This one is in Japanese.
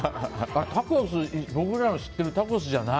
僕らの知ってるタコスじゃない。